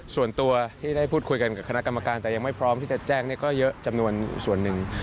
ส่วนตัวที่ได้พูดคุยกันกับคณะกรรมการแต่ยังไม่พร้อมที่จะแจ้งก็เยอะจำนวนส่วนหนึ่ง